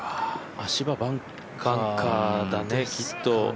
足場、バンカーだね、きっと。